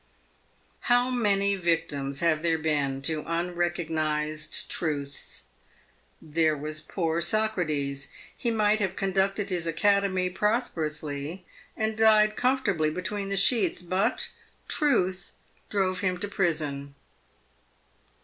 How many victims have there been to unrecognised truths ! There was poor Socrates. He might have conducted his academy pro sperously, and died comfortably between the sheets, but truth drove him to prison.